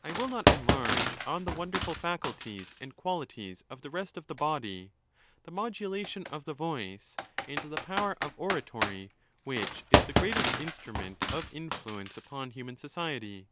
I will not enlarge on the wonderful faculties and qualities of the rest of. the body, the modulation of the voice, and the. power of oratory, which is the greatest instrument of in fluence upon human society.